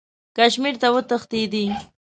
کشمیر ته وتښتېدی.